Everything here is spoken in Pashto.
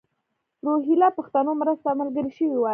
روهیله پښتنو مرسته ملګرې شوې وای.